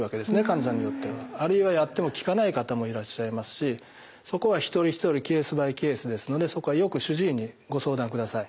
患者さんによっては。あるいはやっても効かない方もいらっしゃいますしそこは一人一人ケースバイケースですのでよく主治医にご相談ください。